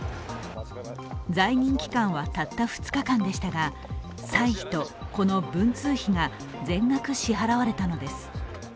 在任期間はたった２日間でしたが、歳費とこの文通費が全額支払われたのです。